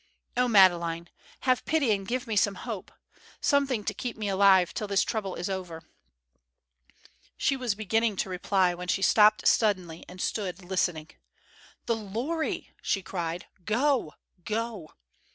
Oh, Madeleine, have pity and give me some hope; something to keep me alive till this trouble is over." She was beginning to reply when she stopped suddenly and stood listening. "The lorry!" she cried. "Go! Go!"